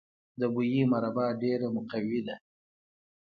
د بهي مربا ډیره مقوي ده.